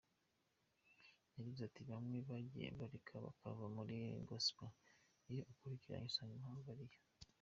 Yagize ati “Bamwe bagiye bareka bakava muri gosepel, iyo ukurikiranye usanga impamvu ari iyo”.